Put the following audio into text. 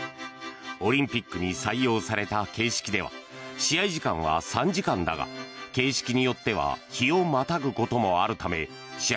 オリンピックに採用された形式では試合時間は３時間だが形式によっては日をまたぐこともあるため試合